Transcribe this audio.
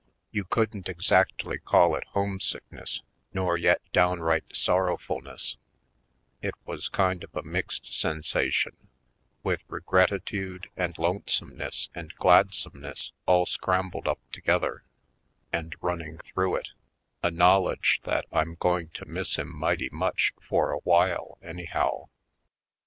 You couldn't exactly call it home sickness nor yet downright sorrow fulness; it was kind of a mixed sensation, with regretitude and lonesomeness and gladsomeness all scrambled up together, and running through it, a knowledge that I'm going to miss him might}'' much for awhile, anyhow.